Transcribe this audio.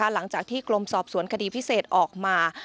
หลังจากที่กรมสอบสวนคดีพิเศษออกมา